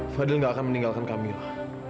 fadil gak akan meninggalkan kamila